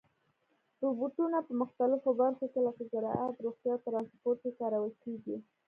روبوټونه په مختلفو برخو کې لکه زراعت، روغتیا او ترانسپورت کې کارول کېږي.